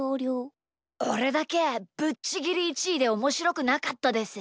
おれだけぶっちぎり１いでおもしろくなかったです。